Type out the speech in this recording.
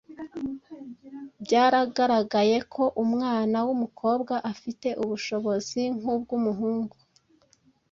Byaragaragaye ko umwana w’umukobwa afite ubushobozi nk’ubw’umuhungu